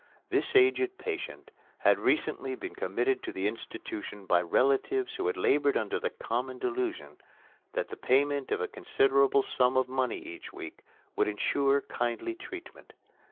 This aged patient had recently been committed to the institution by relatives who had labored under the common delusion that the payment of a considerable sum of money each week would insure kindly treatment.